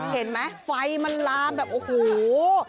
เห็นไหมไฟมันลามแบบโอ้โห